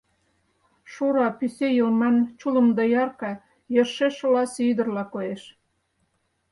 Шура пӱсӧ йылман, чулым доярка, йӧршеш оласе ӱдырла коеш.